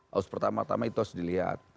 harus pertama tama itu harus dilihat